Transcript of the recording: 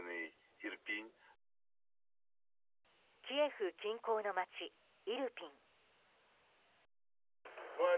キエフ近郊の街イルピン。